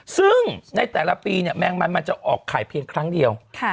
ซึ่งในแต่ละปีเนี่ยแมงมันมันจะออกไข่เพียงครั้งเดียว